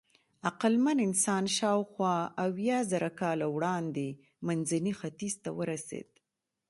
عقلمن انسان شاوخوا اویازره کاله وړاندې منځني ختیځ ته ورسېد.